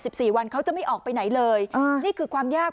สิบสี่วันเขาจะไม่ออกไปไหนเลยอ่านี่คือความยาก